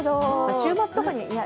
週末とかに？